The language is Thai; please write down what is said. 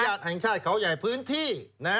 อุทยานแห่งชาติเขาใหญ่พื้นที่